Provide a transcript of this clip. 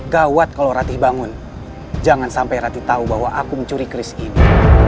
jika ratih bangun jangan sampai ratih tahu bahwa aku mencuri kris ini